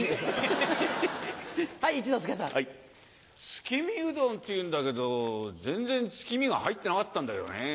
月見うどんっていうんだけど全然月見が入ってなかったんだけどねぇ。